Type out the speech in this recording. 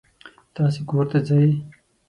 تاسې کور ته ځئ.